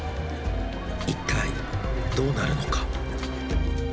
一体、どうなるのか。